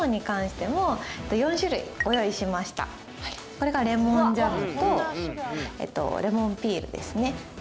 これがレモンジャムとレモンピールですね。